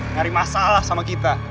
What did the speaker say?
cari masalah sama kita